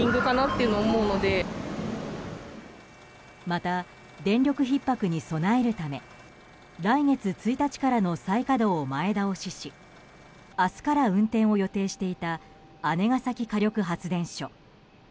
また、電力ひっ迫に備えるため来月１日からの再稼働を前倒しし明日から運転を予定していた姉崎火力発電所。